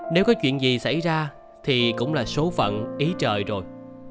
nếu có chuyện gì xảy ra thì cũng là số phận ý trời rồi